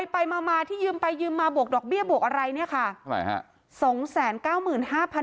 ไปมาที่ยืมไปยืมมาบวกดอกเบี้ยบวกอะไรเนี่ยค่ะ